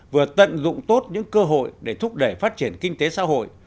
vừa tận dụng tốt những cơ hội để thúc đẩy phát triển kinh tế xã hội